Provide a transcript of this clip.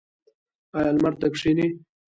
ایا لمر ته کینئ؟